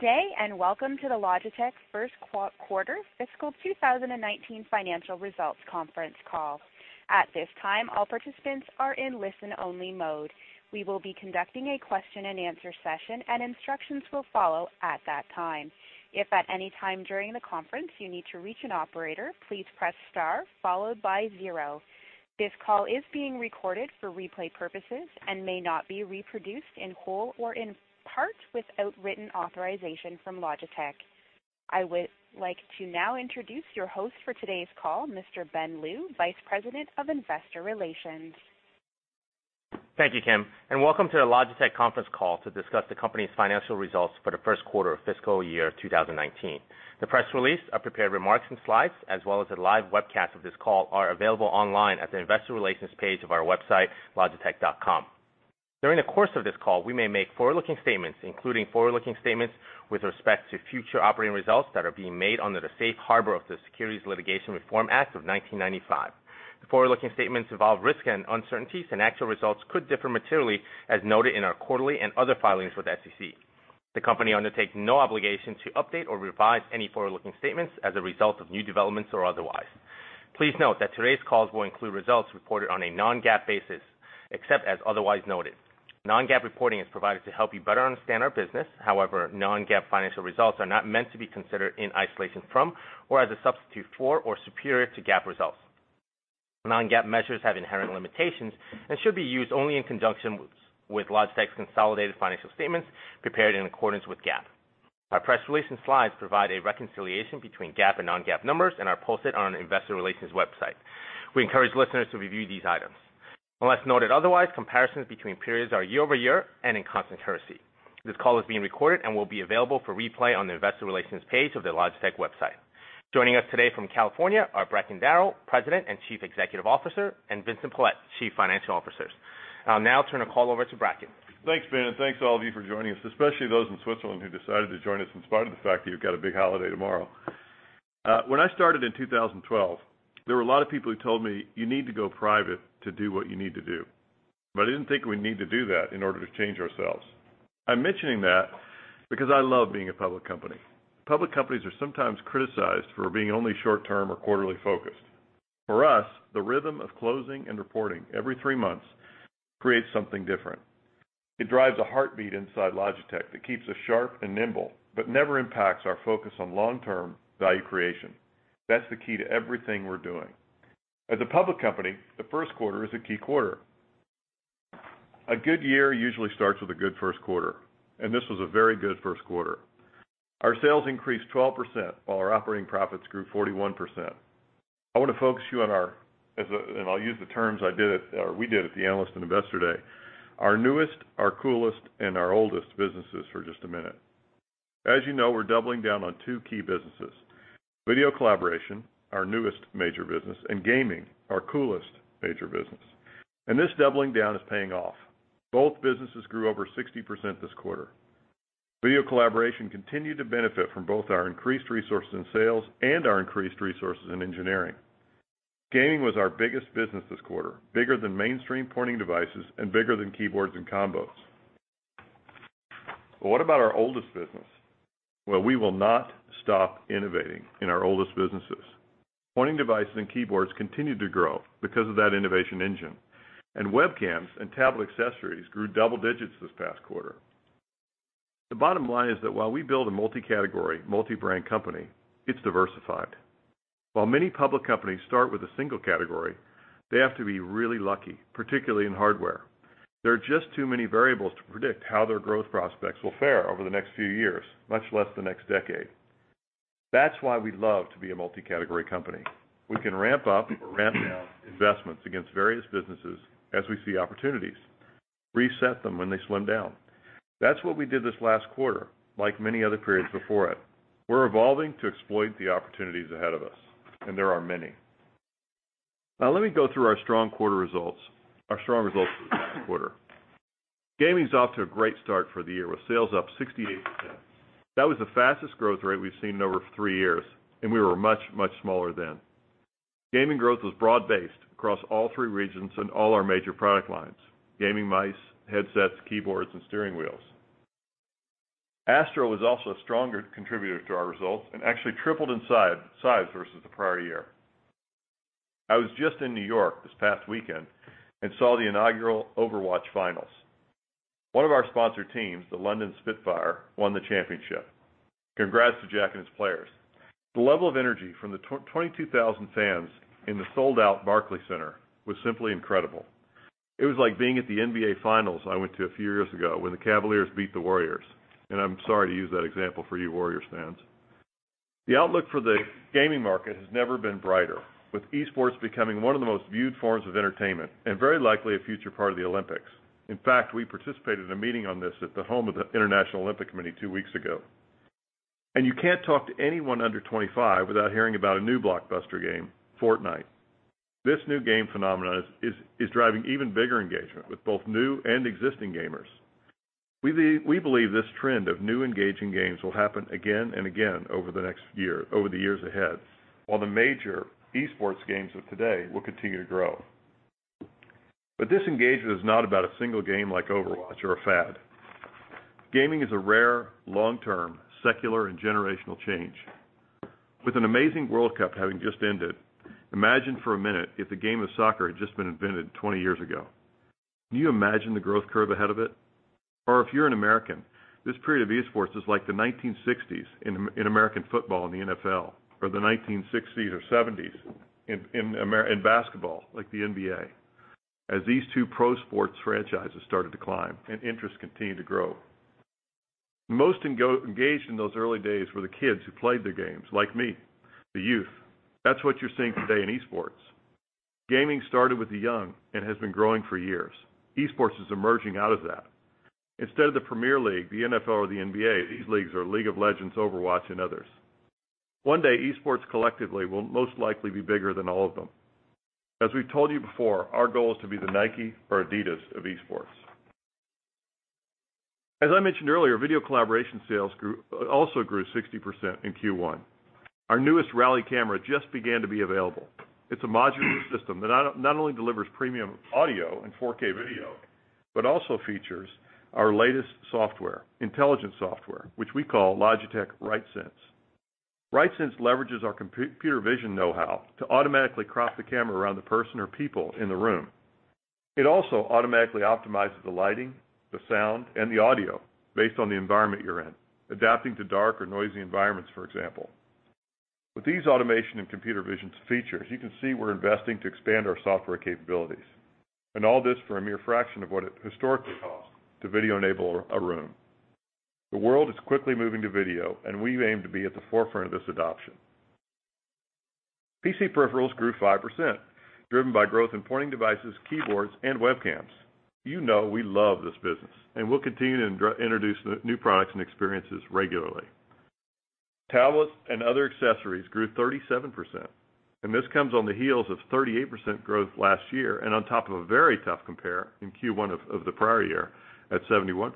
Good day, welcome to the Logitech first quarter fiscal 2019 financial results conference call. At this time, all participants are in listen-only mode. We will be conducting a question and answer session, and instructions will follow at that time. If at any time during the conference you need to reach an operator, please press star followed by zero. This call is being recorded for replay purposes and may not be reproduced in whole or in part without written authorization from Logitech. I would like to now introduce your host for today's call, Mr. Ben Lu, Vice President of Investor Relations. Thank you, Kim, welcome to the Logitech conference call to discuss the company's financial results for the first quarter of fiscal year 2019. The press release, our prepared remarks and slides, as well as the live webcast of this call, are available online at the investor relations page of our website, logitech.com. During the course of this call, we may make forward-looking statements, including forward-looking statements with respect to future operating results that are being made under the Safe Harbor of the Private Securities Litigation Reform Act of 1995. The forward-looking statements involve risks and uncertainties, and actual results could differ materially as noted in our quarterly and other filings with the SEC. The company undertakes no obligation to update or revise any forward-looking statements as a result of new developments or otherwise. Please note that today's calls will include results reported on a non-GAAP basis, except as otherwise noted. Non-GAAP reporting is provided to help you better understand our business. However, non-GAAP financial results are not meant to be considered in isolation from or as a substitute for or superior to GAAP results. Non-GAAP measures have inherent limitations and should be used only in conjunction with Logitech's consolidated financial statements prepared in accordance with GAAP. Our press release and slides provide a reconciliation between GAAP and non-GAAP numbers and are posted on our investor relations website. We encourage listeners to review these items. Unless noted otherwise, comparisons between periods are year-over-year and in constant currency. This call is being recorded and will be available for replay on the investor relations page of the Logitech website. Joining us today from California are Bracken Darrell, President and Chief Executive Officer, and Vincent Pilette, Chief Financial Officer. I'll now turn the call over to Bracken. Thanks, Ben, thanks to all of you for joining us, especially those in Switzerland who decided to join us in spite of the fact that you've got a big holiday tomorrow. When I started in 2012, there were a lot of people who told me, "You need to go private to do what you need to do," but I didn't think we need to do that in order to change ourselves. I'm mentioning that because I love being a public company. Public companies are sometimes criticized for being only short-term or quarterly focused. For us, the rhythm of closing and reporting every three months creates something different. It drives a heartbeat inside Logitech that keeps us sharp and nimble, but never impacts our focus on long-term value creation. That's the key to everything we're doing. As a public company, the first quarter is a key quarter. A good year usually starts with a good first quarter, and this was a very good first quarter. Our sales increased 12%, while our operating profits grew 41%. I want to focus you on our, and I'll use the terms we did at the Analyst and Investor Day, our newest, our coolest, and our oldest businesses for just a minute. As you know, we're doubling down on two key businesses, video collaboration, our newest major business, and gaming, our coolest major business. This doubling down is paying off. Both businesses grew over 60% this quarter. Video collaboration continued to benefit from both our increased resources and sales and our increased resources in engineering. Gaming was our biggest business this quarter, bigger than mainstream pointing devices and bigger than keyboards and combos. What about our oldest business? Well, we will not stop innovating in our oldest businesses. Pointing devices and keyboards continued to grow because of that innovation engine, webcams and tablet accessories grew double digits this past quarter. The bottom line is that while we build a multi-category, multi-brand company, it's diversified. While many public companies start with a single category, they have to be really lucky, particularly in hardware. There are just too many variables to predict how their growth prospects will fare over the next few years, much less the next decade. That's why we love to be a multi-category company. We can ramp up or ramp down investments against various businesses as we see opportunities, reset them when they slim down. That's what we did this last quarter, like many other periods before it. We're evolving to exploit the opportunities ahead of us, and there are many. Now, let me go through our strong results for this quarter. Gaming's off to a great start for the year with sales up 68%. That was the fastest growth rate we've seen in over three years, we were much, much smaller then. Gaming growth was broad-based across all three regions and all our major product lines, gaming mice, headsets, keyboards, and steering wheels. ASTRO was also a stronger contributor to our results and actually tripled in size versus the prior year. I was just in New York this past weekend and saw the inaugural Overwatch finals. One of our sponsored teams, the London Spitfire, won the championship. Congrats to Jack and his players. The level of energy from the 22,000 fans in the sold-out Barclays Center was simply incredible. It was like being at the NBA finals I went to a few years ago when the Cavaliers beat the Warriors, I'm sorry to use that example for you Warriors fans. The outlook for the gaming market has never been brighter, with esports becoming one of the most viewed forms of entertainment and very likely a future part of the Olympics. In fact, we participated in a meeting on this at the home of the International Olympic Committee two weeks ago. You can't talk to anyone under 25 without hearing about a new blockbuster game, "Fortnite." This new game phenomenon is driving even bigger engagement with both new and existing gamers. We believe this trend of new engaging games will happen again and again over the years ahead, while the major esports games of today will continue to grow. This engagement is not about a single game like Overwatch or a fad. Gaming is a rare, long-term, secular, and generational change. With an amazing World Cup having just ended, imagine for a minute if the game of soccer had just been invented 20 years ago. Can you imagine the growth curve ahead of it? Or if you're an American, this period of esports is like the 1960s in American football, in the NFL, or the 1960s or '70s in basketball, like the NBA, as these two pro sports franchises started to climb and interest continued to grow. Most engaged in those early days were the kids who played the games, like me, the youth. That's what you're seeing today in esports. Gaming started with the young and has been growing for years. Esports is emerging out of that. Instead of the Premier League, the NFL, or the NBA, these leagues are League of Legends, Overwatch, and others. One day, esports collectively will most likely be bigger than all of them. As we told you before, our goal is to be the Nike or Adidas of esports. As I mentioned earlier, video collaboration sales also grew 60% in Q1. Our newest Rally camera just began to be available. It's a modular system that not only delivers premium audio and 4K video, but also features our latest software, intelligence software, which we call Logitech RightSense. RightSense leverages our computer vision know-how to automatically crop the camera around the person or people in the room. It also automatically optimizes the lighting, the sound, and the audio based on the environment you're in, adapting to dark or noisy environments, for example. With these automation and computer visions features, you can see we're investing to expand our software capabilities. All this for a mere fraction of what it historically cost to video-enable a room. The world is quickly moving to video, and we aim to be at the forefront of this adoption. PC peripherals grew 5%, driven by growth in pointing devices, keyboards, and webcams. You know we love this business, and we'll continue to introduce new products and experiences regularly. Tablets and other accessories grew 37%, and this comes on the heels of 38% growth last year and on top of a very tough compare in Q1 of the prior year at 71%.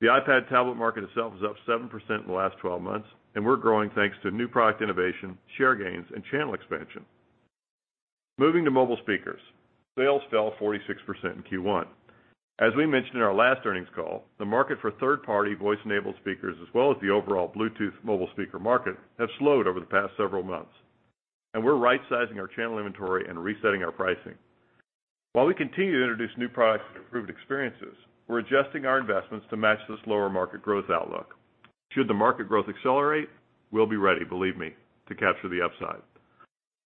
The iPad tablet market itself is up 7% in the last 12 months, and we're growing thanks to new product innovation, share gains, and channel expansion. Moving to mobile speakers, sales fell 46% in Q1. As we mentioned in our last earnings call, the market for third-party voice-enabled speakers, as well as the overall Bluetooth mobile speaker market, have slowed over the past several months, and we're rightsizing our channel inventory and resetting our pricing. While we continue to introduce new products and improved experiences, we're adjusting our investments to match this lower market growth outlook. Should the market growth accelerate, we'll be ready, believe me, to capture the upside.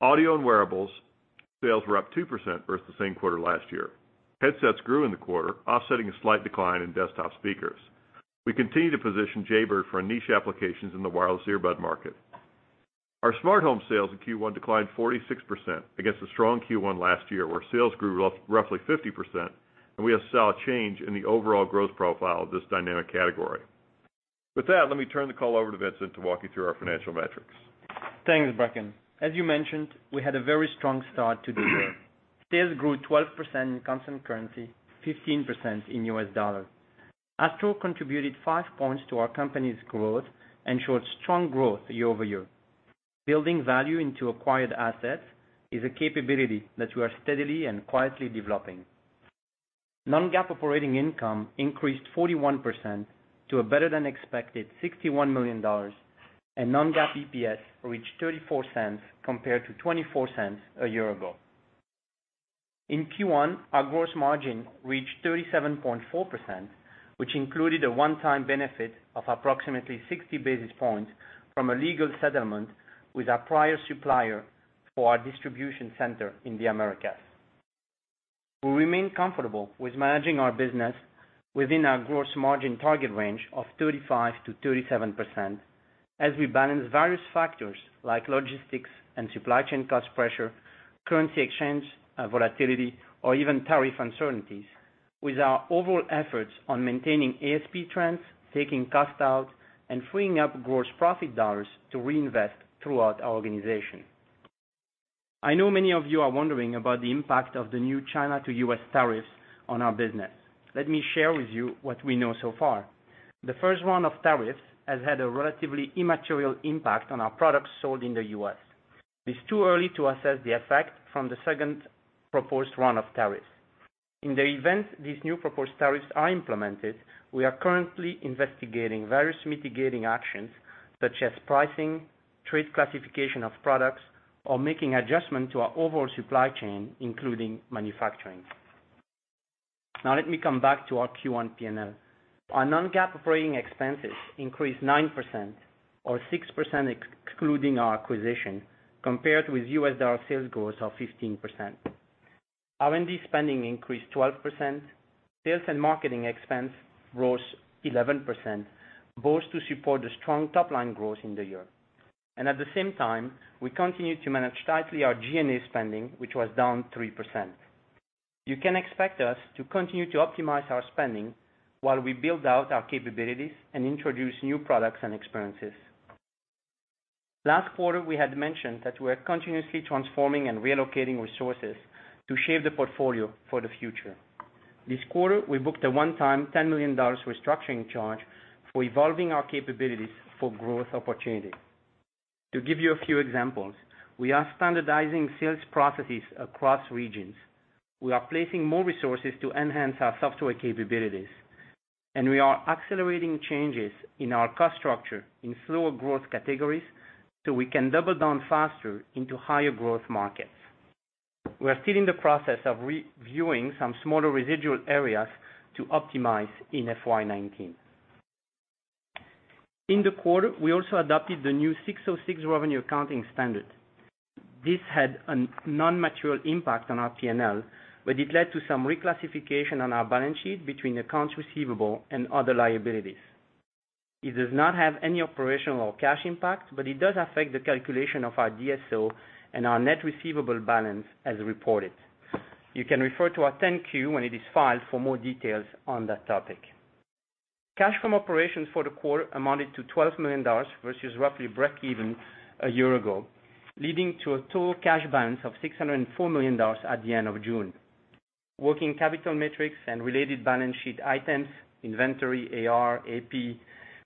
Audio and wearables sales were up 2% versus the same quarter last year. Headsets grew in the quarter, offsetting a slight decline in desktop speakers. We continue to position Jaybird for niche applications in the wireless earbud market. Our smart home sales in Q1 declined 46% against a strong Q1 last year, where sales grew roughly 50%, and we have saw a change in the overall growth profile of this dynamic category. With that, let me turn the call over to Vincent to walk you through our financial metrics. Thanks, Bracken. As you mentioned, we had a very strong start to the year. Sales grew 12% in constant currency, 15% in U.S. dollars. ASTRO contributed five points to our company's growth and showed strong growth year-over-year. Building value into acquired assets is a capability that we are steadily and quietly developing. Non-GAAP operating income increased 41% to a better-than-expected $61 million, and non-GAAP EPS reached $0.34 compared to $0.24 a year ago. In Q1, our gross margin reached 37.4%, which included a one-time benefit of approximately 60 basis points from a legal settlement with our prior supplier for our distribution center in the Americas. We remain comfortable with managing our business within our gross margin target range of 35%-37% as we balance various factors like logistics and supply chain cost pressure, currency exchange volatility, or even tariff uncertainties with our overall efforts on maintaining ASP trends, taking cost out, and freeing up gross profit dollars to reinvest throughout our organization. I know many of you are wondering about the impact of the new China to U.S. tariffs on our business. Let me share with you what we know so far. The first round of tariffs has had a relatively immaterial impact on our products sold in the U.S. It's too early to assess the effect from the second proposed round of tariffs. In the event these new proposed tariffs are implemented, we are currently investigating various mitigating actions such as pricing, trade classification of products, or making adjustment to our overall supply chain, including manufacturing. Let me come back to our Q1 P&L. Our non-GAAP operating expenses increased 9%, or 6% excluding our acquisition, compared with U.S. dollar sales growth of 15%. R&D spending increased 12%, sales and marketing expense rose 11%, both to support the strong top-line growth in the year. At the same time, we continued to manage tightly our G&A spending, which was down 3%. You can expect us to continue to optimize our spending while we build out our capabilities and introduce new products and experiences. Last quarter, we had mentioned that we're continuously transforming and relocating resources to shape the portfolio for the future. This quarter, we booked a one-time $10 million restructuring charge for evolving our capabilities for growth opportunities. To give you a few examples, we are standardizing sales processes across regions, we are placing more resources to enhance our software capabilities, and we are accelerating changes in our cost structure in slower growth categories so we can double down faster into higher growth markets. We are still in the process of reviewing some smaller residual areas to optimize in FY '19. In the quarter, we also adopted the new 606 revenue accounting standard. This had a non-material impact on our P&L, but it led to some reclassification on our balance sheet between accounts receivable and other liabilities. It does not have any operational or cash impact, but it does affect the calculation of our DSO and our net receivable balance as reported. You can refer to our 10-Q when it is filed for more details on that topic. Cash from operations for the quarter amounted to $12 million versus roughly breakeven a year ago, leading to a total cash balance of $604 million at the end of June. Working capital metrics and related balance sheet items, inventory, AR, AP,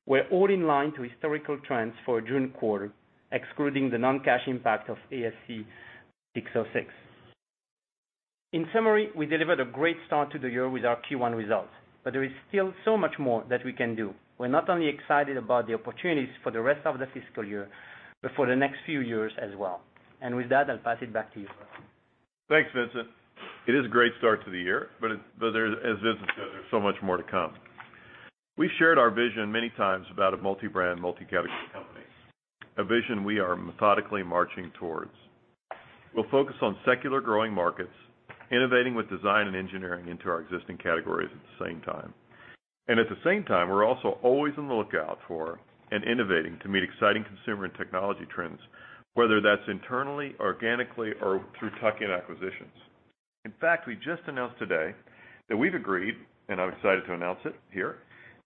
were all in line to historical trends for a June quarter, excluding the non-cash impact of ASC 606. In summary, we delivered a great start to the year with our Q1 results, but there is still so much more that we can do. We're not only excited about the opportunities for the rest of the fiscal year, but for the next few years as well. With that, I'll pass it back to you. Thanks, Vincent. It is a great start to the year, but as Vincent said, there's so much more to come. We shared our vision many times about a multi-brand, multi-category company, a vision we are methodically marching towards. We'll focus on secular growing markets, innovating with design and engineering into our existing categories at the same time. At the same time, we're also always on the lookout for and innovating to meet exciting consumer and technology trends, whether that's internally, organically, or through tuck-in acquisitions. In fact, we just announced today that we've agreed, and I'm excited to announce it here,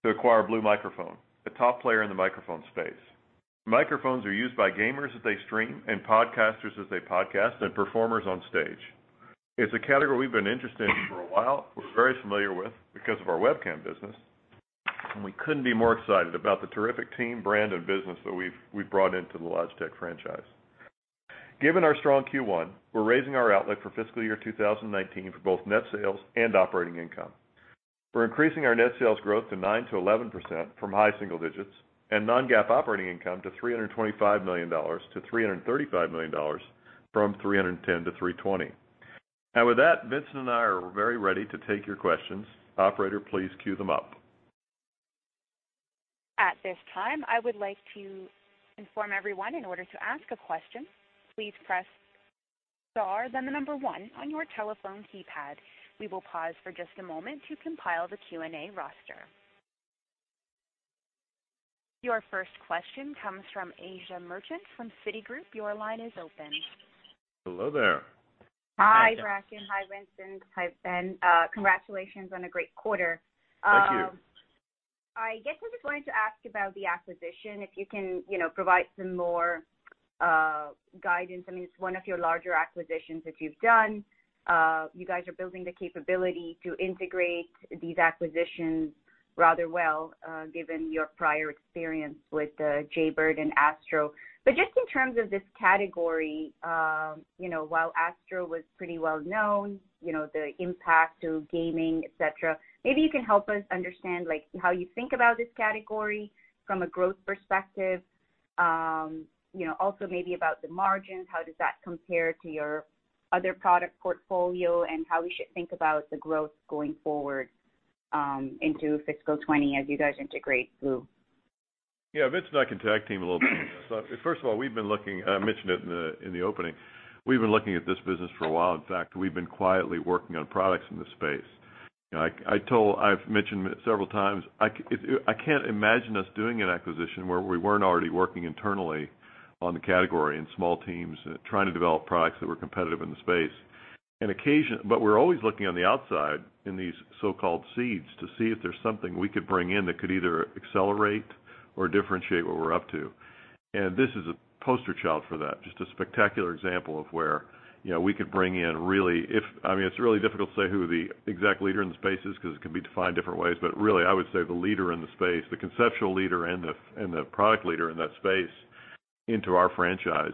to acquire Blue Microphones, a top player in the microphone space. Microphones are used by gamers as they stream, and podcasters as they podcast, and performers on stage. It's a category we've been interested in for a while, we're very familiar with because of our webcam business, and we couldn't be more excited about the terrific team, brand, and business that we've brought into the Logitech franchise. Given our strong Q1, we're raising our outlook for fiscal year 2019 for both net sales and operating income. We're increasing our net sales growth to 9%-11% from high single digits, and non-GAAP operating income to $325 million-$335 million from $310 million-$320 million. With that, Vincent and I are very ready to take your questions. Operator, please queue them up. At this time, I would like to inform everyone, in order to ask a question, please press star, then the number one on your telephone keypad. We will pause for just a moment to compile the Q&A roster. Your first question comes from Asiya Merchant from Citigroup. Your line is open. Hello there. Hi, Bracken. Hi, Vincent. Hi, Ben. Congratulations on a great quarter. Thank you. I guess I just wanted to ask about the acquisition, if you can provide some more guidance. It's one of your larger acquisitions that you've done. You guys are building the capability to integrate these acquisitions rather well, given your prior experience with Jaybird and ASTRO. Just in terms of this category, while ASTRO was pretty well known, the impact of gaming, et cetera, maybe you can help us understand how you think about this category from a growth perspective. Also maybe about the margins, how does that compare to your other product portfolio and how we should think about the growth going forward into fiscal 2020 as you guys integrate Blue. Yeah, Vincent and I can tag team a little bit on this. First of all, Vincent mentioned it in the opening, we've been looking at this business for a while. In fact, we've been quietly working on products in this space. I've mentioned it several times, I can't imagine us doing an acquisition where we weren't already working internally on the category in small teams, trying to develop products that were competitive in the space. We're always looking on the outside in these so-called seeds to see if there's something we could bring in that could either accelerate or differentiate what we're up to. This is a poster child for that, just a spectacular example of where we could bring in, it's really difficult to say who the exact leader in the space is because it can be defined different ways, but really, I would say the leader in the space, the conceptual leader and the product leader in that space, into our franchise.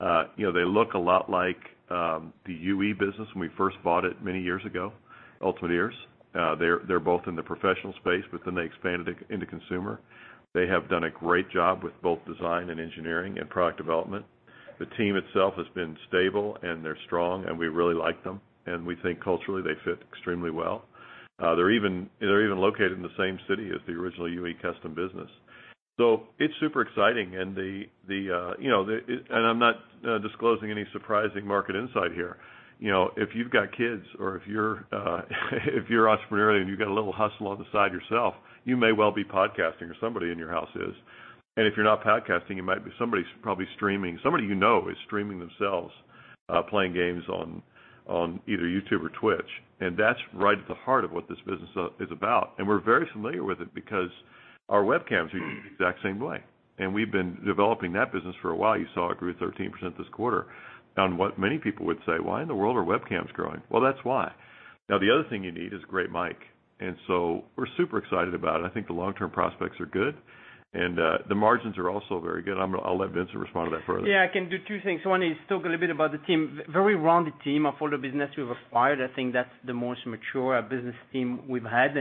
They look a lot like the UE business when we first bought it many years ago, Ultimate Ears. They're both in the professional space, but then they expanded into consumer. They have done a great job with both design and engineering and product development. The team itself has been stable and they're strong, and we really like them, and we think culturally they fit extremely well. They're even located in the same city as the original UE custom business. It's super exciting, and I'm not disclosing any surprising market insight here. If you've got kids or if you're entrepreneurial and you've got a little hustle on the side yourself, you may well be podcasting, or somebody in your house is. If you're not podcasting, somebody's probably streaming. Somebody you know is streaming themselves. Playing games on either YouTube or Twitch. That's right at the heart of what this business is about, and we're very familiar with it because our webcams are used the exact same way, and we've been developing that business for a while. You saw it grew 13% this quarter on what many people would say, "Why in the world are webcams growing?" Well, that's why. Now, the other thing you need is a great mic, we're super excited about it. I think the long-term prospects are good, the margins are also very good. I'll let Vincent respond to that further. Yeah, I can do two things. One is talk a little bit about the team. Very rounded team of all the business we've acquired. I think that's the most mature business team we've had.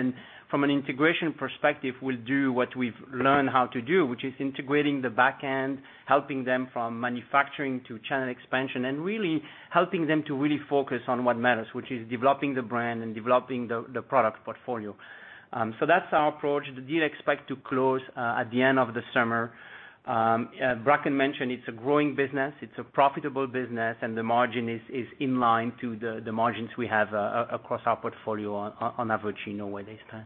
From an integration perspective, we'll do what we've learned how to do, which is integrating the back end, helping them from manufacturing to channel expansion, and really helping them to really focus on what matters, which is developing the brand and developing the product portfolio. That's our approach. The deal expected to close at the end of December. Bracken mentioned it's a growing business, it's a profitable business, and the margin is in line to the margins we have across our portfolio on average, you know where they stand.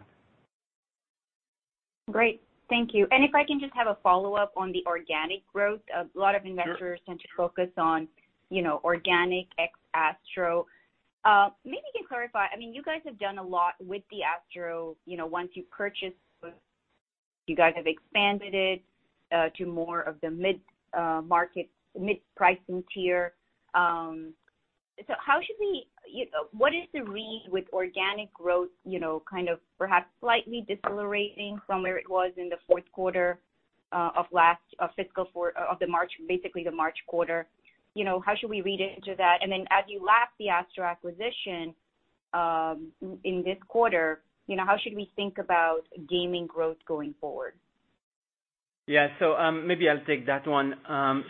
Great. Thank you. If I can just have a follow-up on the organic growth. A lot of investors- Sure tend to focus on organic ex ASTRO. Maybe you can clarify, you guys have done a lot with the ASTRO. Once you purchased it, you guys have expanded it to more of the mid-pricing tier. What is the read with organic growth perhaps slightly decelerating from where it was in the fourth quarter of the March, basically the March quarter? How should we read into that? Then as you lap the ASTRO acquisition in this quarter, how should we think about gaming growth going forward? Yeah. Maybe I'll take that one.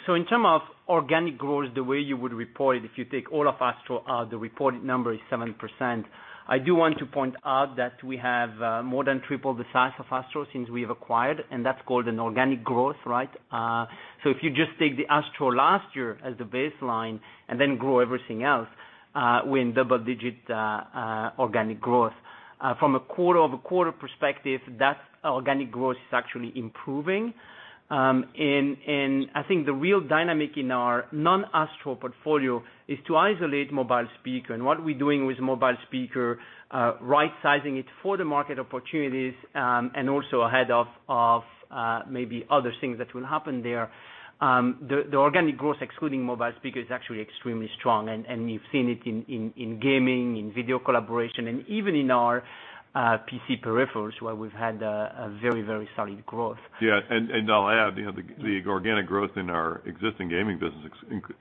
In terms of organic growth, the way you would report it, if you take all of ASTRO out, the reported number is 7%. I do want to point out that we have more than triple the size of ASTRO since we've acquired, and that's called an organic growth, right? If you just take the ASTRO last year as the baseline and then grow everything else, we're in double-digit organic growth. From a quarter-over-quarter perspective, that organic growth is actually improving. I think the real dynamic in our non-ASTRO portfolio is to isolate mobile speaker and what we're doing with mobile speaker, right-sizing it for the market opportunities, and also ahead of maybe other things that will happen there. The organic growth excluding mobile speaker is actually extremely strong, and we've seen it in gaming, in video collaboration, and even in our PC peripherals, where we've had a very solid growth. Yeah. I'll add, the organic growth in our existing gaming business,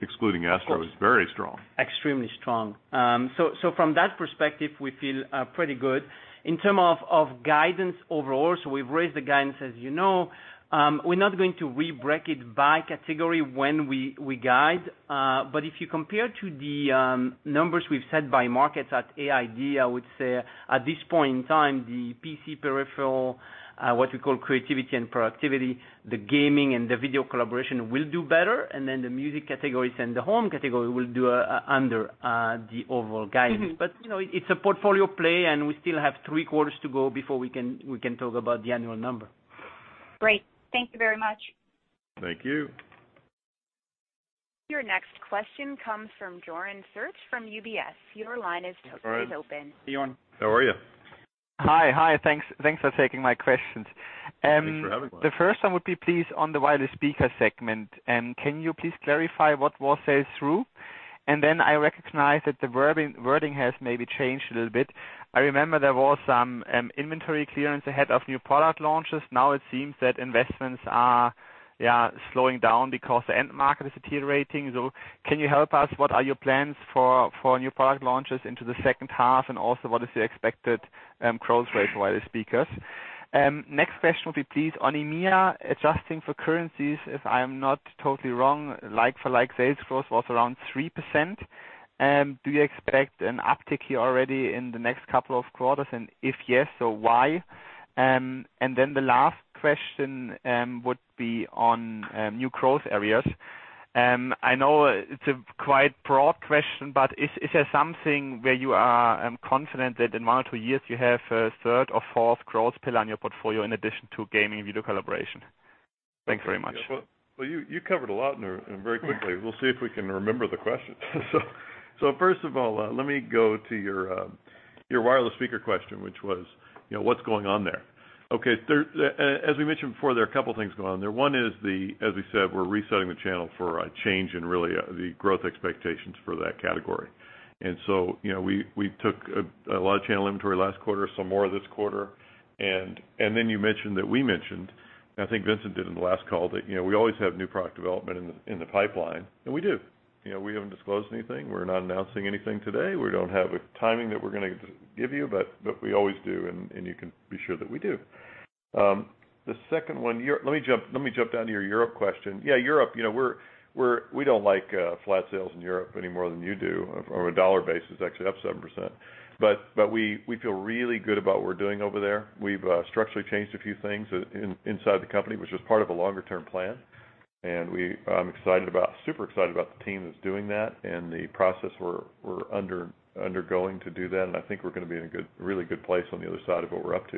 excluding ASTRO, is very strong. Extremely strong. From that perspective, we feel pretty good. In terms of guidance overall, we've raised the guidance as you know. We're not going to re-break it by category when we guide. If you compare to the numbers we've set by markets at AID, I would say at this point in time, the PC peripheral, what we call creativity and productivity, the gaming and the video collaboration will do better, and the music categories and the home category will do under the overall guidance. It's a portfolio play, and we still have three quarters to go before we can talk about the annual number. Great. Thank you very much. Thank you. Your next question comes from Joern Iffert from UBS. Your line is open. Joern How are you? Hi. Thanks for taking my questions. Thanks for having them. The first one would be please on the wireless speaker segment. Can you please clarify what was sell-through? I recognize that the wording has maybe changed a little bit. I remember there was some inventory clearance ahead of new product launches. Now it seems that investments are slowing down because the end market is deteriorating. Can you help us, what are your plans for new product launches into the second half, and also what is the expected growth rate for wireless speakers? Next question would be please, on EMEA, adjusting for currencies, if I am not totally wrong, like for like sales growth was around 3%. Do you expect an uptick here already in the next couple of quarters? If yes, why? The last question would be on new growth areas. I know it's a quite broad question, is there something where you are confident that in one or two years you have a third or fourth growth pillar on your portfolio in addition to gaming and video collaboration? Thanks very much. Well, you covered a lot and very quickly. We'll see if we can remember the questions. First of all, let me go to your wireless speaker question, which was what's going on there. Okay. As we mentioned before, there are a couple things going on there. One is, as we said, we're resetting the channel for a change in really the growth expectations for that category. We took a lot of channel inventory last quarter, some more this quarter. Then you mentioned that we mentioned, and I think Vincent did in the last call, that we always have new product development in the pipeline, and we do. We haven't disclosed anything. We're not announcing anything today. We don't have a timing that we're going to give you, but we always do, and you can be sure that we do. The second one, let me jump down to your Europe question. Yeah, Europe we don't like flat sales in Europe any more than you do. From a dollar base, it's actually up 7%. We feel really good about what we're doing over there. We've structurally changed a few things inside the company, which was part of a longer-term plan. I'm super excited about the team that's doing that and the process we're undergoing to do that, and I think we're going to be in a really good place on the other side of what we're up to.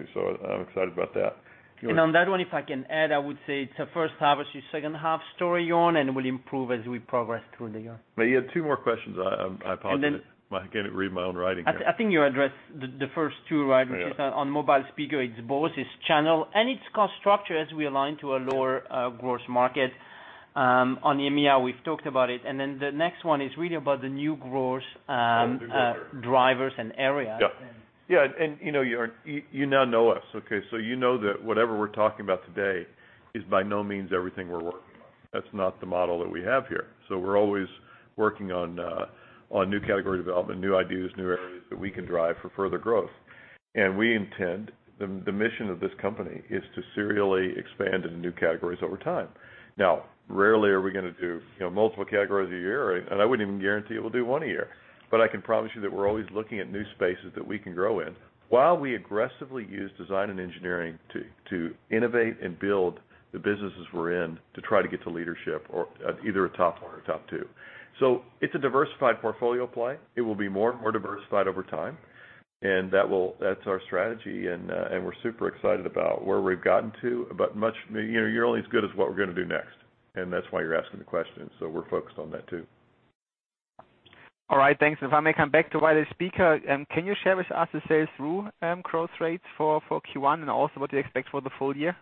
I'm excited about that. Do you want to- On that one, if I can add, I would say it's a first half versus second half story, Joern, it will improve as we progress through the year. You had two more questions. I apologize. And then- I can't read my own writing here I think you addressed the first two, right? Yeah. Which is on mobile speaker, it's both, it's channel and its cost structure as we align to a lower growth market. On EMEA, we've talked about it, the next one is really about the new growth- Oh, new growth drivers and areas and- Yeah. You now know us, okay? You know that whatever we're talking about today is by no means everything we're working on. That's not the model that we have here. We're always working on new category development, new ideas, new areas that we can drive for further growth. We intend, the mission of this company is to serially expand into new categories over time. Now, rarely are we going to do multiple categories a year, and I wouldn't even guarantee it we'll do one a year. I can promise you that we're always looking at new spaces that we can grow in while we aggressively use design and engineering to innovate and build the businesses we're in to try to get to leadership or either a top one or top two. It's a diversified portfolio play. It will be more and more diversified over time, that's our strategy, we're super excited about where we've gotten to. You're only as good as what we're going to do next, that's why you're asking the question. We're focused on that, too. All right. Thanks. If I may come back to wireless speaker, can you share with us the sales through growth rate for Q1 and also what you expect for the full year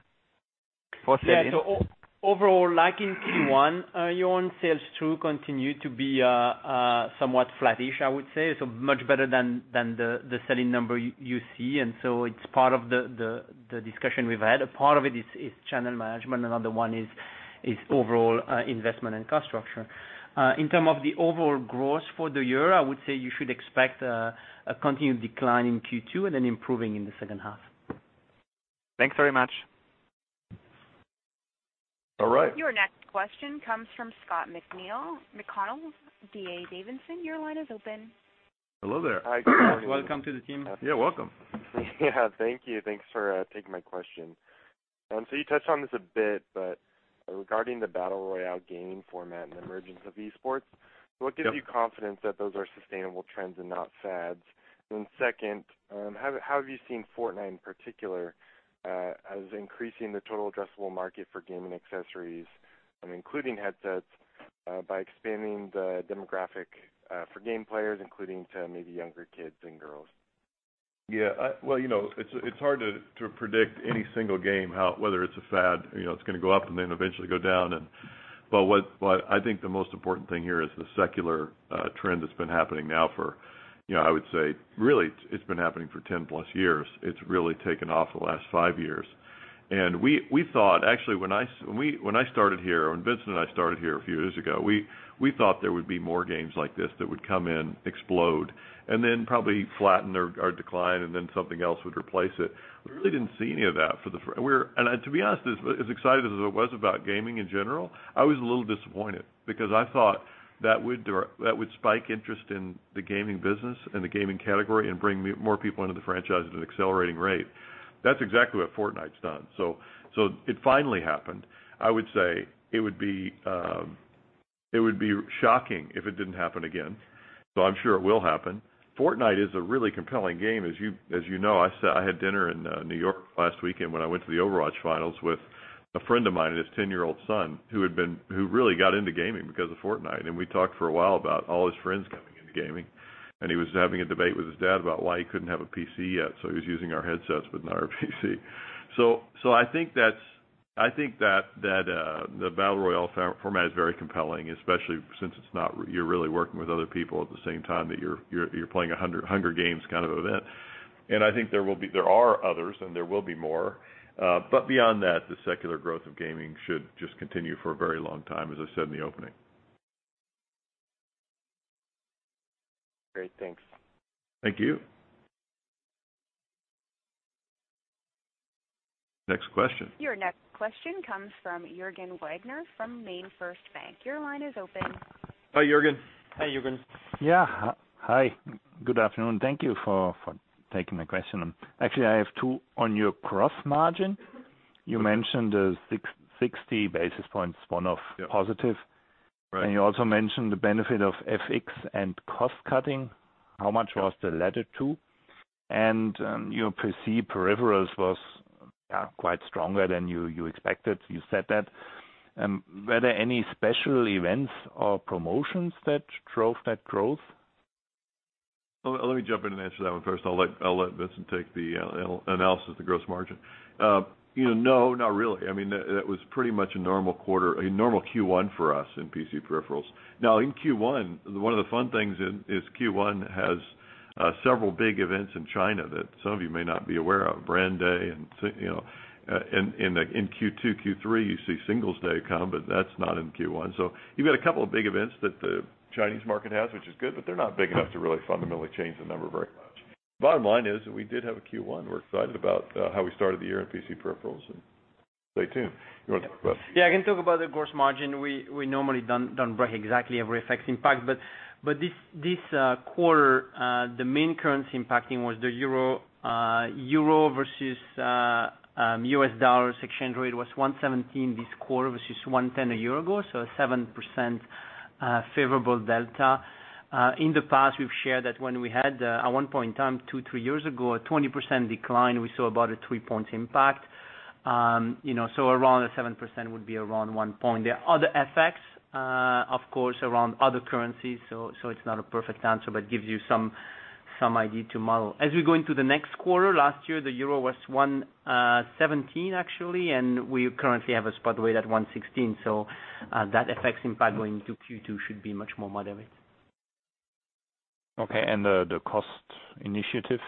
for sell-in? Yeah. Overall, like in Q1, Joern, sales through continue to be somewhat flattish, I would say. Much better than the sell-in number you see, it's part of the discussion we've had. A part of it is channel management. Another one is overall investment and cost structure. In term of the overall growth for the year, I would say you should expect a continued decline in Q2 then improving in the second half. Thanks very much. All right. Your next question comes from Scott McConnell, D.A. Davidson. Your line is open. Hello there. Hi. Good morning. Welcome to the team. Yeah, welcome. Yeah. Thank you. Thanks for taking my question. You touched on this a bit, but regarding the battle royale gaming format and the emergence of esports- Yeah what gives you confidence that those are sustainable trends and not fads? Second, how have you seen Fortnite in particular, as increasing the total addressable market for gaming accessories, including headsets, by expanding the demographic for game players, including to maybe younger kids and girls? Yeah. Well, it's hard to predict any single game, whether it's a fad, it's going to go up and then eventually go down. What I think the most important thing here is the secular trend that's been happening now for, I would say, really, it's been happening for 10 plus years. It's really taken off the last five years. We thought, actually, when I started here, when Vincent and I started here a few years ago, we thought there would be more games like this that would come in, explode, and then probably flatten or decline, and then something else would replace it. We really didn't see any of that. To be honest, as excited as I was about gaming in general, I was a little disappointed because I thought that would spike interest in the gaming business and the gaming category and bring more people into the franchise at an accelerating rate. That's exactly what Fortnite's done. It finally happened. I would say it would be shocking if it didn't happen again. I'm sure it will happen. Fortnite is a really compelling game, as you know. I had dinner in New York last weekend when I went to the Overwatch finals with a friend of mine and his 10-year-old son who really got into gaming because of Fortnite. We talked for a while about all his friends coming into gaming. He was having a debate with his dad about why he couldn't have a PC yet. He was using our headsets but not our PC. I think that the battle royale format is very compelling, especially since you're really working with other people at the same time that you're playing a Hunger Games kind of event. I think there are others, and there will be more. Beyond that, the secular growth of gaming should just continue for a very long time, as I said in the opening. Great. Thanks. Thank you. Next question. Your next question comes from Jürgen Wagner from MainFirst Bank. Your line is open. Hi, Jürgen. Hi, Juergen. Yeah. Hi. Good afternoon. Thank you for taking my question. Actually, I have two. On your gross margin, you mentioned a 60 basis points one-off positive. Yeah. Right. You also mentioned the benefit of FX and cost-cutting. Yeah. How much was the latter two? Your PC peripherals was, yeah, quite stronger than you expected. You said that. Were there any special events or promotions that drove that growth? Let me jump in and answer that one first. I'll let Vincent take the analysis of the gross margin. No, not really. That was pretty much a normal quarter, a normal Q1 for us in PC peripherals. In Q1, one of the fun things is Q1 has several big events in China that some of you may not be aware of, Brand Day, and in Q2, Q3, you see Singles Day come, but that's not in Q1. You've got a couple of big events that the Chinese market has, which is good, but they're not big enough to really fundamentally change the number very much. Bottom line is that we did have a Q1. We're excited about how we started the year in PC peripherals, and stay tuned. You want to talk about- Yeah, I can talk about the gross margin. We normally don't break exactly every effect impact, but this quarter, the main currency impacting was the euro. Euro versus U.S. dollar exchange rate was 117 this quarter versus 110 a year ago, 7% favorable delta. In the past, we've shared that when we had, at one point in time two, three years ago, a 20% decline, we saw about a three-point impact. Around a 7% would be around one point. There are other effects, of course, around other currencies, so it's not a perfect answer, but it gives you some idea to model. As we go into the next quarter, last year, the euro was 117, actually, and we currently have a spot rate at 116. That effects impact going into Q2 should be much more moderate. Okay, and the cost initiatives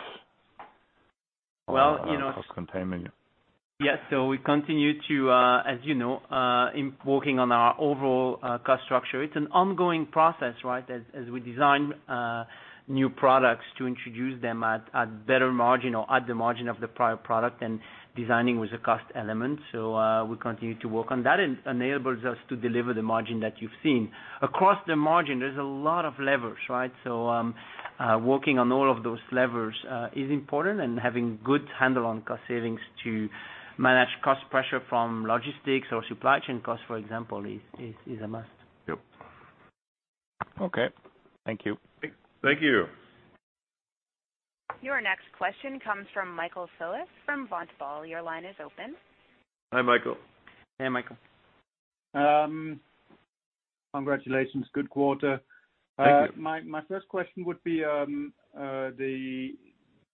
or cost containment? Yes. We continue to, as you know, working on our overall cost structure. It's an ongoing process, right, as we design new products to introduce them at better margin or at the margin of the prior product and designing with the cost element. We continue to work on that. It enables us to deliver the margin that you've seen. Across the margin, there's a lot of levers, right? Working on all of those levers is important and having good handle on cost savings to manage cost pressure from logistics or supply chain cost, for example, is a must. Yep. Okay. Thank you. Thank you. Your next question comes from Michael Foeth from Vontobel. Your line is open. Hi, Michael. Hey, Michael. Congratulations. Good quarter. Thank you. My first question would be,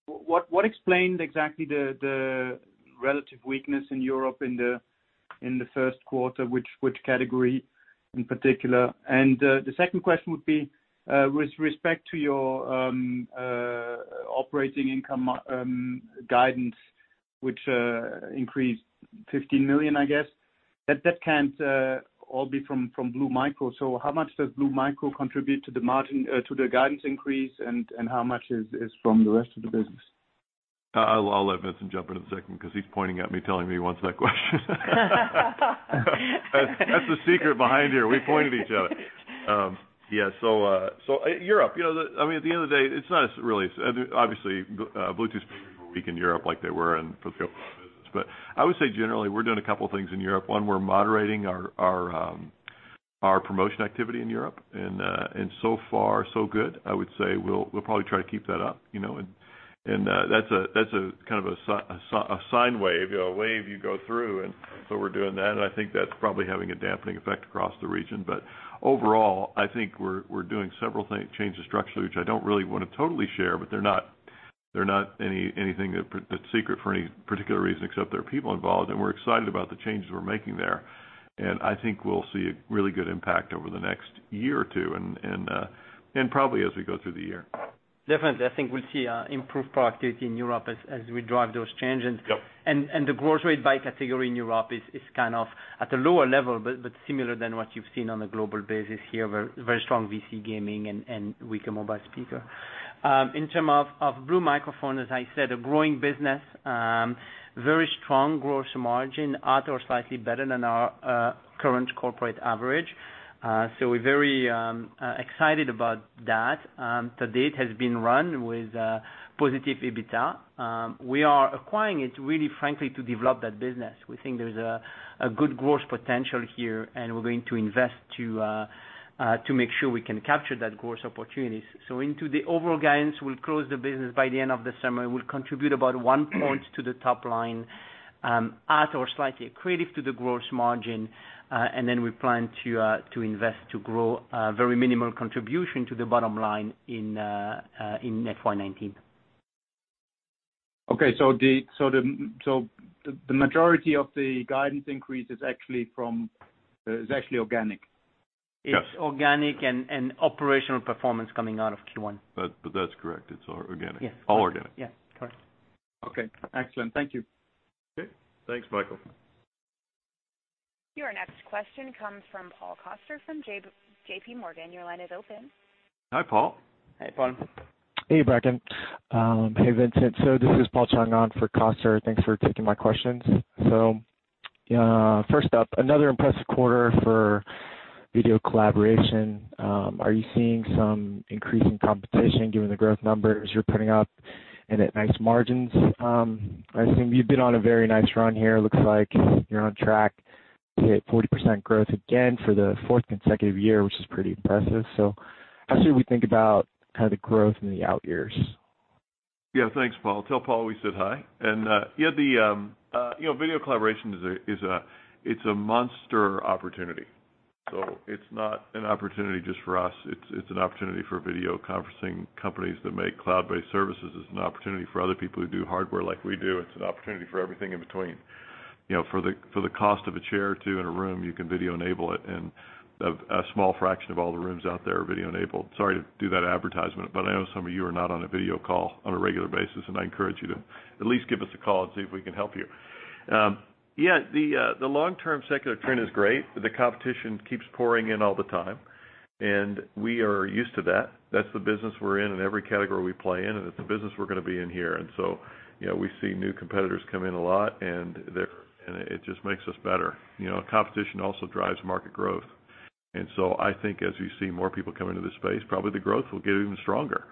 what explained exactly the relative weakness in Europe in the first quarter, which category in particular? The second question would be, with respect to your operating income guidance, which increased $15 million, I guess, that can't all be from Blue Microphone. So how much does Blue Microphone contribute to the margin, to the guidance increase, and how much is from the rest of the business? I'll let Vincent jump into the second because he's pointing at me telling me he wants that question. That's the secret behind here. We point at each other. Europe, at the end of the day, it's not really, obviously, Bluetooth speakers were weak in Europe like they were in for the overall business. I would say generally, we're doing a couple things in Europe. One, we're moderating our promotion activity in Europe, and so far, so good. I would say we'll probably try to keep that up. That's a sine wave, a wave you go through, we're doing that, and I think that's probably having a dampening effect across the region. Overall, I think we're doing several changes structurally, which I don't really want to totally share, but they're not anything that's secret for any particular reason, except there are people involved, we're excited about the changes we're making there. I think we'll see a really good impact over the next year or two and probably as we go through the year. Definitely, I think we'll see improved productivity in Europe as we drive those changes. Yep. The growth rate by category in Europe is at a lower level, but similar than what you've seen on a global basis here. Very strong VC gaming and weaker mobile speaker. In term of Blue Microphones, as I said, a growing business, very strong gross margin, at or slightly better than our current corporate average. We're very excited about that. To date has been run with positive EBITDA. We are acquiring it, really, frankly, to develop that business. We think there's a good growth potential here, we're going to invest to make sure we can capture that growth opportunities. Into the overall guidance, we'll close the business by the end of the summer. We'll contribute about one point to the top line, at or slightly accretive to the gross margin. Then we plan to invest to grow a very minimal contribution to the bottom line in net FY 2019. Okay. The majority of the guidance increase is actually organic. Yes. It's organic and operational performance coming out of Q1. That's correct. It's all organic. Yes. All organic. Yes. Correct. Okay, excellent. Thank you. Okay. Thanks, Michael. Your next question comes from Paul Coster from J.P. Morgan. Your line is open. Hi, Paul. Hey, Paul. Hey, Bracken. Hey, Vincent. This is Paul Chung for Coster. Thanks for taking my questions. First up, another impressive quarter for video collaboration. Are you seeing some increasing competition given the growth numbers you're putting up and at nice margins? I assume you've been on a very nice run here. It looks like you're on track to hit 40% growth again for the fourth consecutive year, which is pretty impressive. How should we think about the growth in the out years? Yeah, thanks, Paul. Tell Paul we said hi. Yeah, video collaboration, it's a monster opportunity. It's not an opportunity just for us. It's an opportunity for video conferencing companies that make cloud-based services. It's an opportunity for other people who do hardware like we do. It's an opportunity for everything in between. For the cost of a chair or two in a room, you can video enable it, and a small fraction of all the rooms out there are video enabled. Sorry to do that advertisement, but I know some of you are not on a video call on a regular basis, and I encourage you to at least give us a call and see if we can help you. Yeah, the long-term secular trend is great. The competition keeps pouring in all the time, and we are used to that. That's the business we're in in every category we play in, and it's the business we're going to be in here. We see new competitors come in a lot, and it just makes us better. Competition also drives market growth. I think as we see more people come into this space, probably the growth will get even stronger,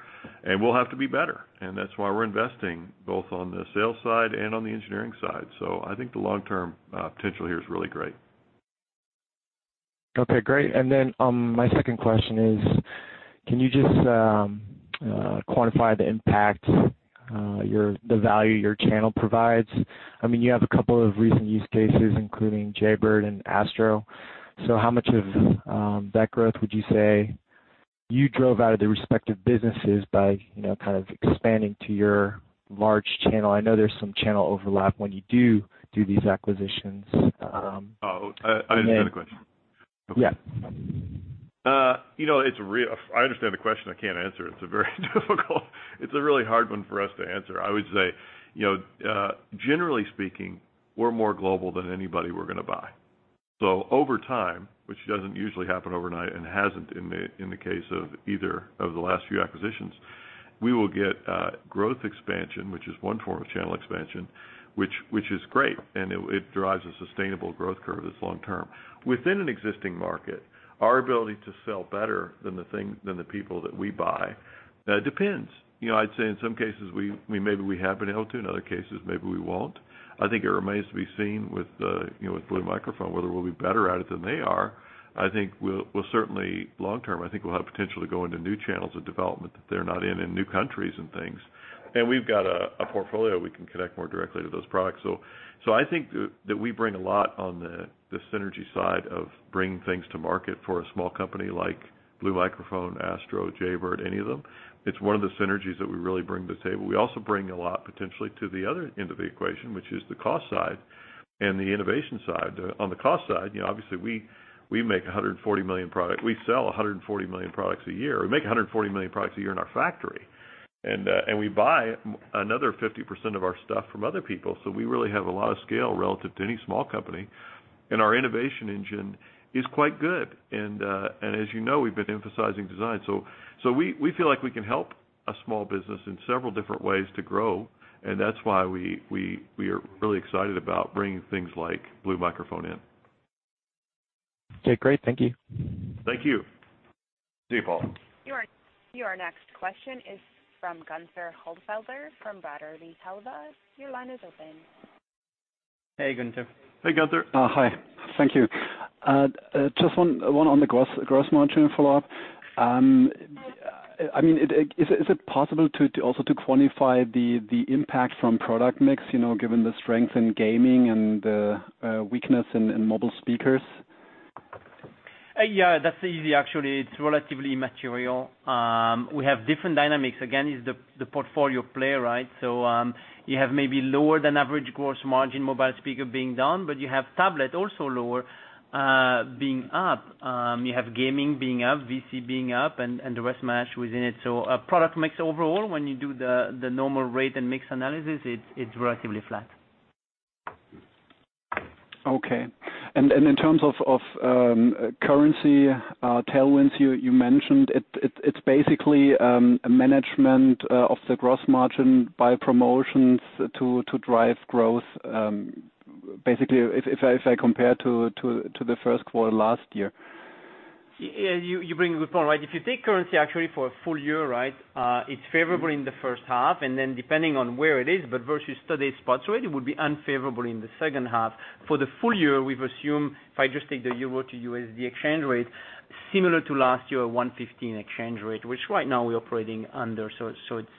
and we'll have to be better. That's why we're investing both on the sales side and on the engineering side. I think the long-term potential here is really great. Okay, great. My second question is, can you just quantify the impact, the value your channel provides? You have a couple of recent use cases, including Jaybird and ASTRO. How much of that growth would you say you drove out of the respective businesses by kind of expanding to your large channel? I know there's some channel overlap when you do these acquisitions. Oh, I understand the question. Yeah. I understand the question. I can't answer it. It's very difficult. It's a really hard one for us to answer. I would say, generally speaking, we're more global than anybody we're going to buy. Over time, which doesn't usually happen overnight and hasn't in the case of either of the last few acquisitions, we will get growth expansion, which is one form of channel expansion, which is great, and it derives a sustainable growth curve that's long-term. Within an existing market, our ability to sell better than the people that we buy depends. I'd say in some cases, maybe we have been able to, in other cases, maybe we won't. I think it remains to be seen with Blue Microphones, whether we'll be better at it than they are. I think, certainly long-term, I think we'll have potential to go into new channels of development that they're not in new countries and things. We've got a portfolio we can connect more directly to those products. I think that we bring a lot on the synergy side of bringing things to market for a small company like Blue Microphones, ASTRO, Jaybird, any of them. It's one of the synergies that we really bring to the table. We also bring a lot potentially to the other end of the equation, which is the cost side and the innovation side. On the cost side, obviously we sell 140 million products a year. We make 140 million products a year in our factory. We buy another 50% of our stuff from other people. We really have a lot of scale relative to any small company. Our innovation engine is quite good. As you know, we've been emphasizing design. We feel like we can help a small business in several different ways to grow, and that's why we are really excited about bringing things like Blue Microphones in. Okay, great. Thank you. Thank you. See you, Paul. Your next question is from Günther Holzfelder from Vatter & Talva. Your line is open. Hey, Günther. Hey, Günther. Hi. Thank you. Just one on the gross margin follow-up. Is it possible also to quantify the impact from product mix, given the strength in gaming and the weakness in mobile speakers? Yeah, that's easy, actually. It's relatively immaterial. We have different dynamics. Again, it's the portfolio play, right? You have maybe lower than average gross margin mobile speaker being down, but you have tablet also lower, being up. You have gaming being up, VC being up, and the rest matched within it. Product mix overall, when you do the normal rate and mix analysis, it's relatively flat. Okay. In terms of currency headwinds you mentioned, it's basically management of the gross margin by promotions to drive growth, basically, if I compare to the first quarter last year. You bring a good point, right? If you take currency actually for a full year, it's favorable in the first half, and then depending on where it is, but versus today's spot rate, it would be unfavorable in the second half. For the full year, we've assumed, if I just take the euro to USD exchange rate, similar to last year, 115 exchange rate, which right now we're operating under, so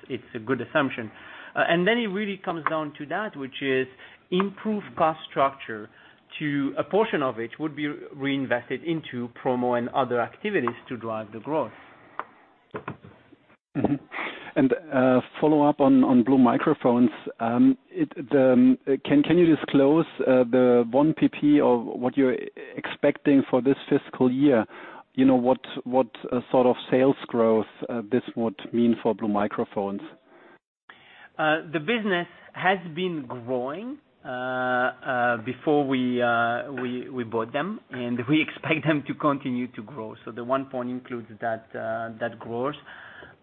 it's a good assumption. It really comes down to that, which is improved cost structure to a portion of it would be reinvested into promo and other activities to drive the growth. Mm-hmm. Follow-up on Blue Microphones. Can you disclose the one PP of what you're expecting for this fiscal year? What sort of sales growth this would mean for Blue Microphones? The business has been growing before we bought them, and we expect them to continue to grow. The one point includes that growth,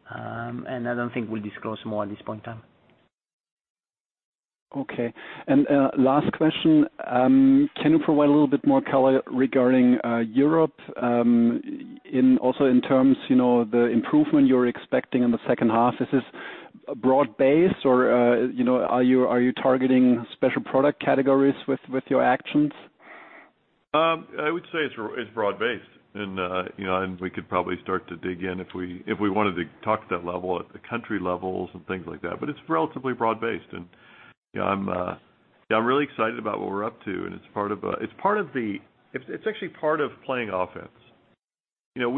and I don't think we'll disclose more at this point in time. Okay. Last question, can you provide a little bit more color regarding Europe? Also in terms the improvement you're expecting in the second half. Is this broad-based or are you targeting special product categories with your actions? I would say it's broad-based. We could probably start to dig in if we wanted to talk to that level at the country levels and things like that. It's relatively broad-based. I'm really excited about what we're up to, and it's actually part of playing offense. Some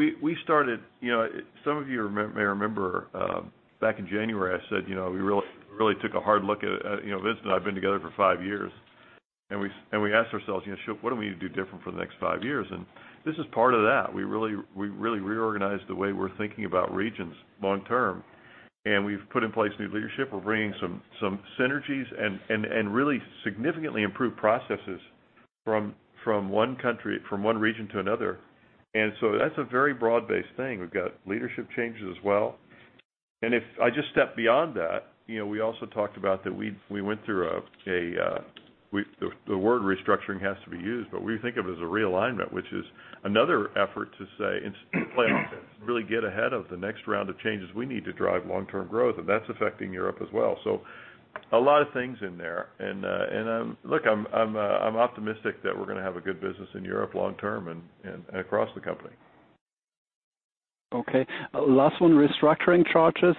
of you may remember, back in January, I said, we really took a hard look at it. Vince and I have been together for five years, and we asked ourselves, "What do we need to do different for the next five years?" This is part of that. We really reorganized the way we're thinking about regions long term. We've put in place new leadership. We're bringing some synergies and really significantly improved processes from one country, from one region to another. That's a very broad-based thing. We've got leadership changes as well. If I just step beyond that, we also talked about that we went through, the word restructuring has to be used, but we think of it as a realignment, which is another effort to say, and plan on this, really get ahead of the next round of changes we need to drive long-term growth. That's affecting Europe as well. A lot of things in there. Look, I'm optimistic that we're going to have a good business in Europe long term and across the company. Okay. Last one, restructuring charges.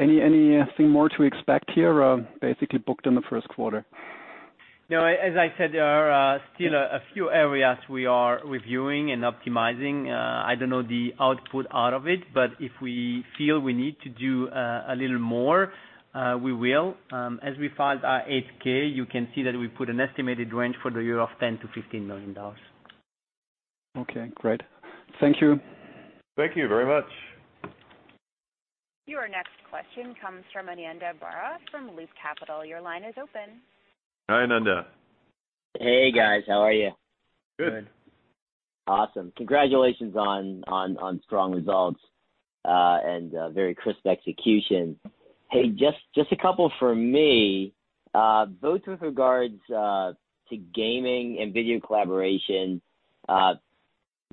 Anything more to expect here, basically booked in the first quarter? No, as I said, there are still a few areas we are reviewing and optimizing. I don't know the output out of it, but if we feel we need to do a little more, we will. As we filed our 8-K, you can see that we put an estimated range for the year of $10 million-$15 million. Okay, great. Thank you. Thank you very much. Your next question comes from Ananda Baruah from Loop Capital. Your line is open. Hi, Ananda. Hey, guys. How are you? Good. Awesome. Congratulations on strong results and very crisp execution. Just a couple from me, both with regards to gaming and video collaboration.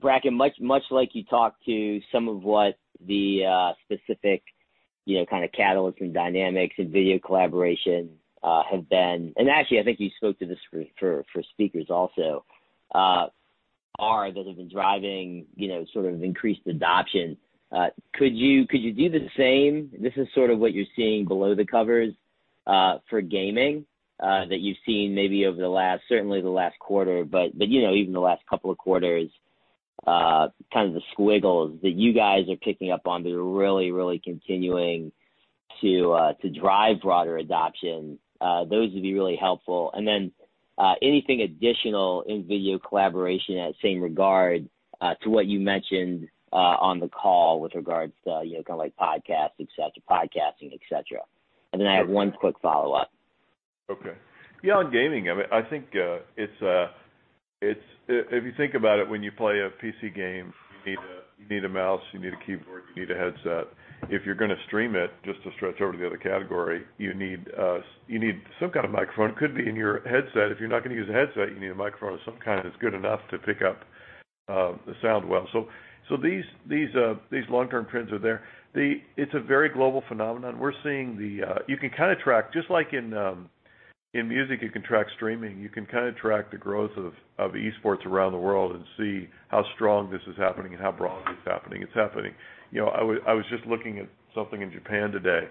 Bracken, much like you talked to some of what the specific kind of catalyst and dynamics in video collaboration have been. Actually, I think you spoke to this for speakers also, are those that have been driving sort of increased adoption. Could you do the same? This is sort of what you're seeing below the covers for gaming that you've seen maybe over the last, certainly the last quarter, but even the last couple of quarters, kind of the squiggles that you guys are picking up on that are really continuing to drive broader adoption. Those would be really helpful. Anything additional in video collaboration in that same regard to what you mentioned on the call with regards to kind of like podcast, et cetera, podcasting, et cetera. Then I have one quick follow-up. Okay. Yeah, on gaming, I think if you think about it, when you play a PC game, you need a mouse, you need a keyboard, you need a headset. If you're going to stream it, just to stretch over to the other category, you need some kind of microphone. Could be in your headset. If you're not going to use a headset, you need a microphone of some kind that's good enough to pick up the sound well. These long-term trends are there. It's a very global phenomenon. You can kind of track, just like in music you can track streaming, you can kind of track the growth of esports around the world and see how strong this is happening and how broad this is happening. It's happening. I was just looking at something in Japan today,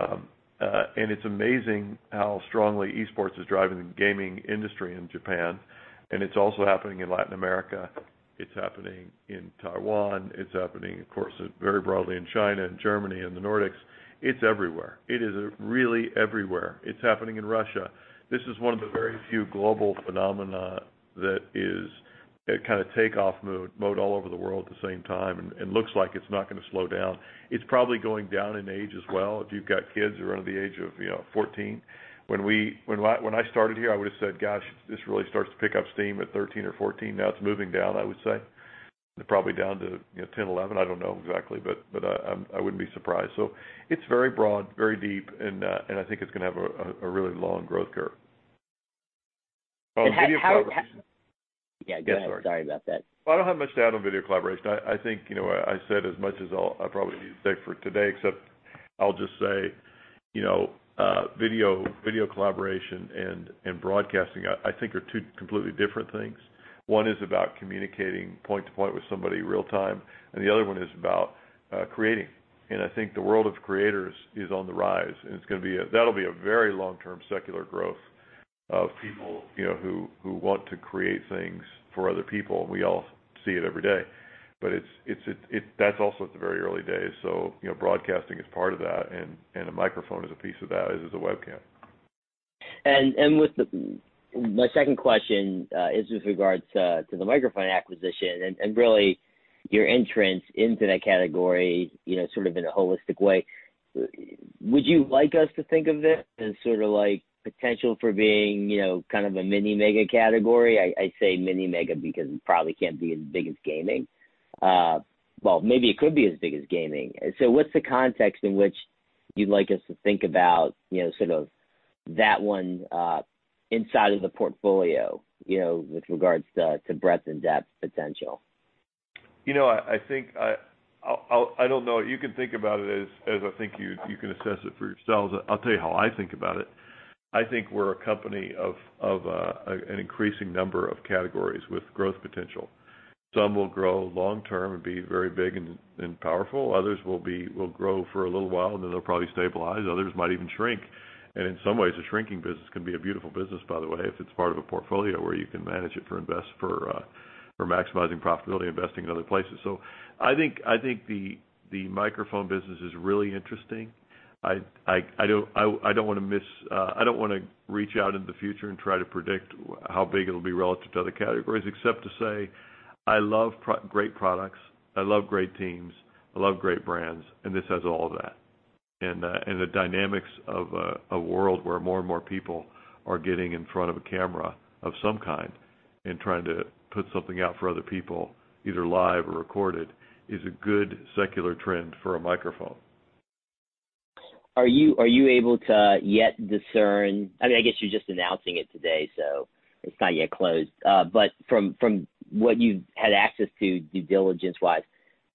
and it's amazing how strongly esports is driving the gaming industry in Japan, and it's also happening in Latin America. It's happening in Taiwan. It's happening, of course, very broadly in China and Germany and the Nordics. It's everywhere. It is really everywhere. It's happening in Russia. This is one of the very few global phenomena that is kind of takeoff mode all over the world at the same time, and looks like it's not going to slow down. It's probably going down in age as well. If you've got kids around the age of 14. When I started here, I would've said, "Gosh, this really starts to pick up steam at 13 or 14." Now it's moving down, I would say, probably down to 10, 11. I don't know exactly, but I wouldn't be surprised. It's very broad, very deep, and I think it's going to have a really long growth curve. On video collaboration- Yeah, go ahead. Sorry about that. I don't have much to add on video collaboration. I think I said as much as I'll probably need to say for today, except I'll just say video collaboration and broadcasting I think are two completely different things. One is about communicating point to point with somebody real-time, and the other one is about creating. I think the world of creators is on the rise, and that'll be a very long-term secular growth of people who want to create things for other people, and we all see it every day. That's also at the very early days. Broadcasting is part of that, and a microphone is a piece of that, as is a webcam. My second question is with regards to the microphone acquisition and really your entrance into that category sort of in a holistic way. Would you like us to think of this as sort of like potential for being kind of a mini mega category? I say mini mega because it probably can't be as big as gaming. Maybe it could be as big as gaming. What's the context in which you'd like us to think about sort of that one inside of the portfolio with regards to breadth and depth potential? I don't know. You can think about it as I think you can assess it for yourselves. I'll tell you how I think about it. I think we're a company of an increasing number of categories with growth potential. Some will grow long-term and be very big and powerful. Others will grow for a little while, and then they'll probably stabilize. Others might even shrink. In some ways, a shrinking business can be a beautiful business, by the way, if it's part of a portfolio where you can manage it for maximizing profitability, investing in other places. I think the microphone business is really interesting. I don't want to reach out into the future and try to predict how big it'll be relative to other categories, except to say I love great products, I love great teams, I love great brands, and this has all of that. The dynamics of a world where more and more people are getting in front of a camera of some kind and trying to put something out for other people, either live or recorded, is a good secular trend for a microphone. I guess you're just announcing it today, so it's not yet closed. From what you've had access to due diligence-wise,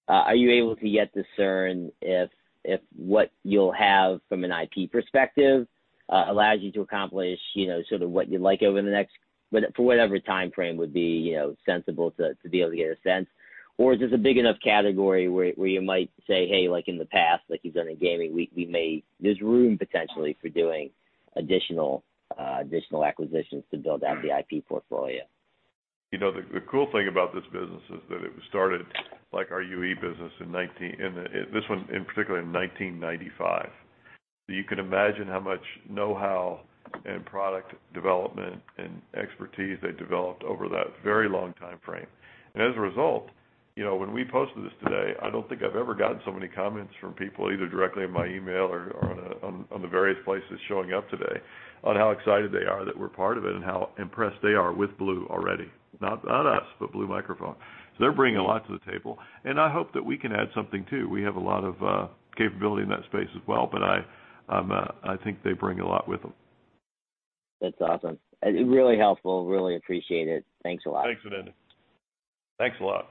are you able to yet discern if what you'll have from an IP perspective allows you to accomplish sort of what you'd like over the next, for whatever timeframe would be sensible to be able to get a sense? Is this a big enough category where you might say, hey, like in the past, like you've done in gaming, there's room potentially for doing additional acquisitions to build out the IP portfolio? The cool thing about this business is that it was started, like our UE business, this one in particular, in 1995. You can imagine how much know-how and product development and expertise they developed over that very long timeframe. As a result, when we posted this today, I don't think I've ever gotten so many comments from people, either directly in my email or on the various places showing up today, on how excited they are that we're part of it and how impressed they are with Blue already. Not us, but Blue Microphones. They're bringing a lot to the table, and I hope that we can add something too. We have a lot of capability in that space as well, but I think they bring a lot with them. That's awesome. Really helpful. Really appreciate it. Thanks a lot. Thanks, Ananda. Thanks a lot.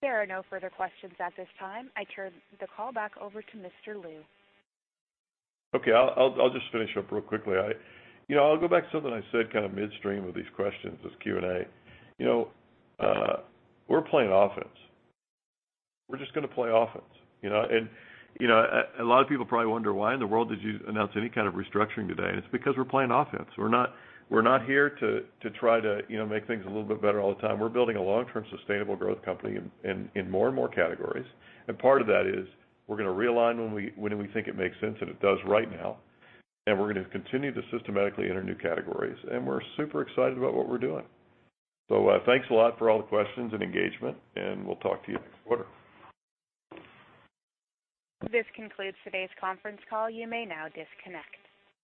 There are no further questions at this time. I turn the call back over to Mr. Lu. Okay. I'll just finish up real quickly. I'll go back to something I said kind of midstream of these questions, this Q&A. We're playing offense. We're just going to play offense. A lot of people probably wonder, "Why in the world did you announce any kind of restructuring today?" It's because we're playing offense. We're not here to try to make things a little bit better all the time. We're building a long-term, sustainable growth company in more and more categories. Part of that is we're going to realign when we think it makes sense, and it does right now. We're going to continue to systematically enter new categories, and we're super excited about what we're doing. Thanks a lot for all the questions and engagement, and we'll talk to you next quarter. This concludes today's conference call. You may now disconnect.